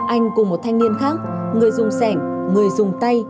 anh cùng một thanh niên khác người dùng sẻng người dùng tay